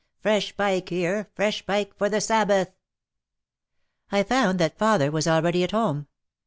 Fresh pike here, fresh pike for the Sabbath." I found that father was already at home.